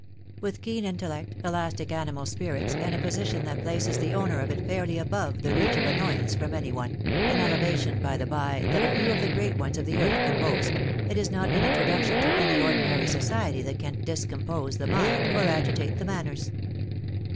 With keen intellect, elastic animal spirits, and a position that places the owner of it fairly above the reach of annoyance from any one, (an elevation, by the bye, that few of the great ones of the earth can boast,) it is not an introduction to any ordi nary society that can discompose the mind, or agitate the manners.